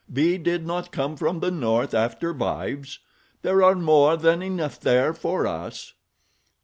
We did not come from the north after wives—there are more than enough there for us."